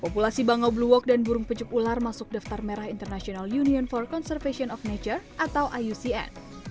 populasi bangau blue walk dan burung pecup ular masuk daftar merah international union for conservation of nature atau iucn